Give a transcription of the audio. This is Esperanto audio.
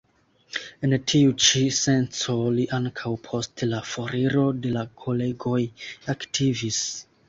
En tiu ĉi senco li ankaŭ post la foriro de la kolegoj aktivis.